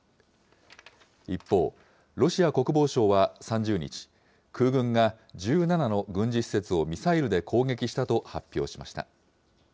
一方、ロシア国防省は３０日、空軍が１７の軍事施設をミサイルで攻撃したと発表しました。